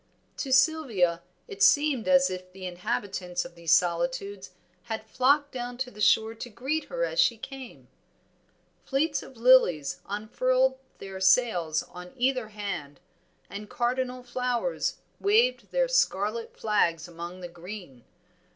To Sylvia it seemed as if the inhabitants of these solitudes had flocked down to the shore to greet her as she came. Fleets of lilies unfurled their sails on either hand, and cardinal flowers waved their scarlet flags among the green.